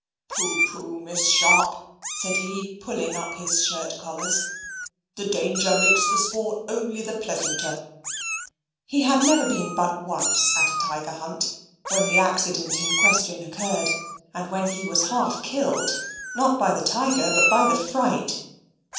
"Pooh, pooh, Miss Sharp," said he, pulling up his shirt collars; "the danger makes the sport only the pleasanter." He had never been but once at a tiger hunt, when the accident in question occurred, and when he was half killed not by the tiger, but by the fright.